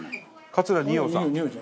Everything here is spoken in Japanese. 桂二葉さん。